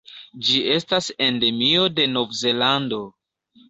Ĝi estas endemio de Novzelando.